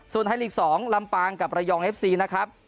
ส่วนไทยลีก๒ลำปางกับระยองเอฟซีนะครับ